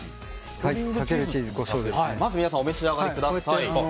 まずお召し上がりください。